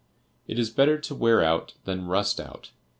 'It is better to wear out than rust out.